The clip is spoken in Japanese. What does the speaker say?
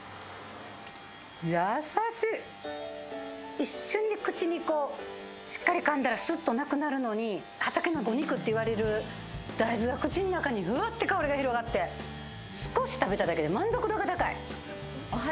一瞬で口にこう、しっかり噛んだらスッとなくなるのに、畑のお肉っていわれる大豆が口の中にフワって香りが広がって少し食べただけで満足度が高い。